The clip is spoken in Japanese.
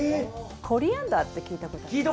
コリアンダーって聞いたことあります？